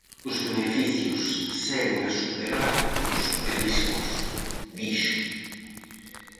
"Os beneficios seguen a superar os riscos", dixo.